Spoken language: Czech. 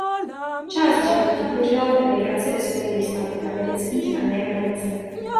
Část života prožila v emigraci ve Spojených státech amerických a na Jamajce.